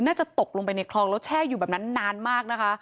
น่าจะตกลงไปในคลองแล้วแช่อยู่แบบนั้นนานมากนะคะ